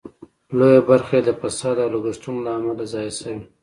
لویه برخه یې د فساد او لګښتونو له امله ضایع شوې.